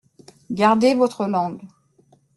Gardez votre langue.